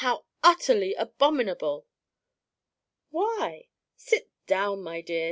How utterly abominable!" "Why? Sit down, my dear.